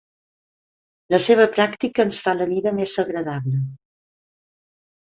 La seva pràctica ens fa la vida més agradable.